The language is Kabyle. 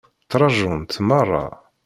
Ttṛajunt meṛṛa.